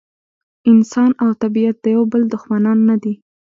انسان او طبیعت د یو بل دښمنان نه دي.